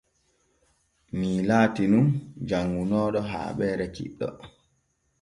Mii laatin nun janŋunooɗo haaɓeere kiɗɗo.